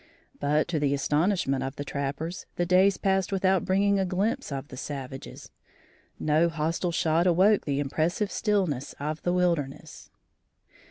But, to the astonishment of the trappers, the days passed without bringing a glimpse of the savages. No hostile shot awoke the impressive stillness of the wilderness.